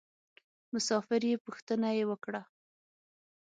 مسافر یې پوښتنه یې وکړه.